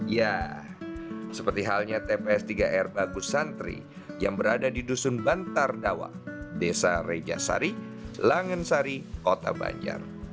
ya seperti halnya tps tiga r bagus santri yang berada di dusun bantardawa desa reja sari langensari kota banjar